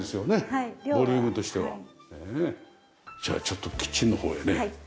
じゃあちょっとキッチンのほうへね。